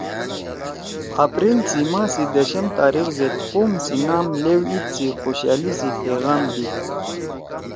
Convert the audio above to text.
اپریل سی ماہ سی دشم تاریخ زید قوم سی نام لیؤ عید سی خوشألی سی پیغام دیِد